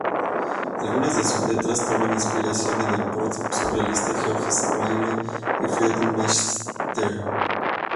Algunas de sus letras toman inspiración de el post-surrealista Georges Bataille y Friedrich Nietzsche.